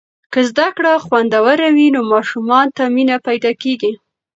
که زده کړه خوندوره وي، نو ماشومانو ته مینه پیدا کیږي.